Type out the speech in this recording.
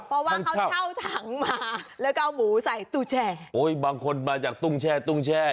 เพราะว่าเขาเช่าถังมาแล้วก็เอาหมูใส่ตู้แช่โอ้ยบางคนมาจากตุ้งแช่ตุ้งแช่